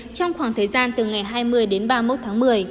trong khoảng thời gian từ ngày hai mươi đến ba mươi một tháng một mươi